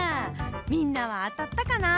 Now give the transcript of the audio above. みんなはあたったかな？